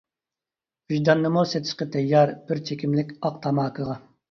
ۋىجداننىمۇ سېتىشقا تەييار، بىر چېكىملىك ئاق تاماكىغا.